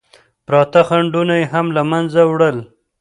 پراته خنډونه یې هم له منځه وړل.